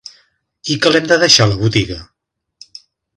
I que l'hem de deixar la botiga?